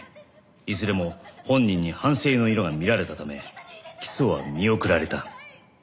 いずれも本人に反省の色が見られたため起訴は見送られた。